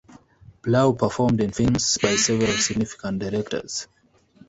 Blau performed in films by several significant directors.